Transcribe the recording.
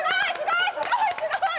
すごい。